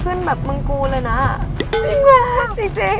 ขึ้นแบบมึงกูเลยนะจริงเหรอจริงจริง